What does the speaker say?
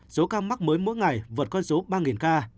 số ca mắc mới mỗi ngày vượt con số ba ca